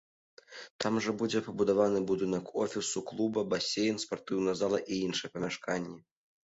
Там жа будзе пабудаваны будынак офісу клуба, басейн, спартыўныя залы і іншыя памяшканні.